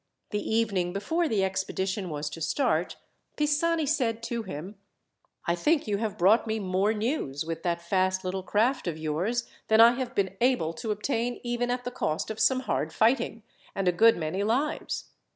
The evening before the expedition was to start Pisani said to him: "I think you have brought me more news, with that fast little craft of yours, than I have been able to obtain even at the cost of some hard fighting, and a good many lives.